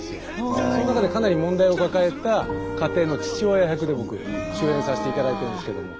その中でかなり問題を抱えた家庭の父親役で僕主演させて頂いてるんですけども。